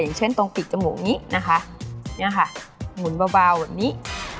อย่างเช่นตรงปีกจมูกนี้นะคะเนี่ยค่ะหมุนเบาแบบนี้